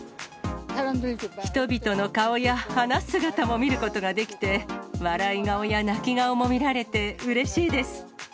人々の顔や話す姿も見ることができて、笑い顔や泣き顔も見られて、うれしいです。